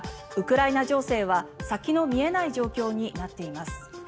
ウクライナ情勢は先の見えない状況になっています。